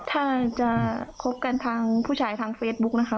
ถ้าจะคบกันทางผู้ชายทางเฟซบุ๊กนะคะ